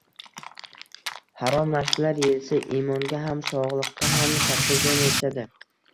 Harom narsalar yeyilsa imonga ham, sog‘liqqa ham katta ziyon yetadi.